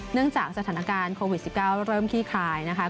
เนื่องจากสถานการณ์โควิด๑๙เริ่มคลี่คลายนะคะ